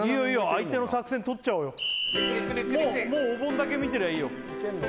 相手の作戦取っちゃおうよゆっくりゆっくりもうお盆だけ見てりゃいいよいけんの？